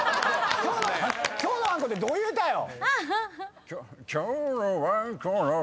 「今日のわんこ」ってどういう歌よ？